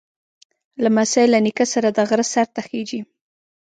لمسی له نیکه سره د غره سر ته خېږي.